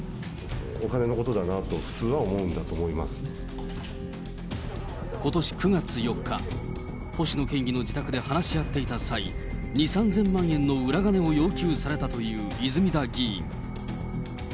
お金のことだなと、ことし９月４日、星野県議の自宅で話し合っていた際、２、３０００万円の裏金を要求されたという泉田議員。